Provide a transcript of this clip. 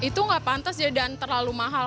itu nggak pantas dan terlalu mahal